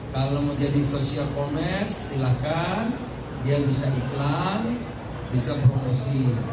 kalau menjadi sosial komes silahkan dia bisa iklan bisa promosi